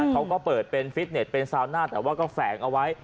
เขาก็เปิดเป็นฟิตเน็ตเป็นซาวน่าแต่ว่าก็แฝงเอาไว้